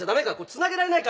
つなげられないか？